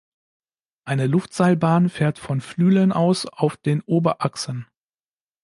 Eine Luftseilbahn fährt von Flüelen aus auf den "Ober Axen".